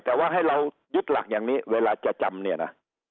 แต่ว่าให้เรายึดหลักอย่างนี้เวลาจะจำเนี่ยนะ